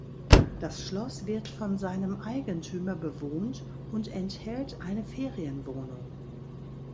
Das Schloss wird von seinem Eigentümer bewohnt und enthält eine Ferienwohnung.